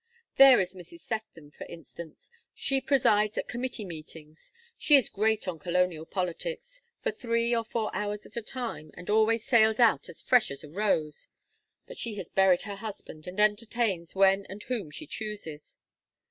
"There is Mrs. Sefton, for instance. She presides at committee meetings she is great on colonial politics for three or four hours at a time, and always sails out as fresh as a rose; but she has buried her husband and entertains when and whom she chooses.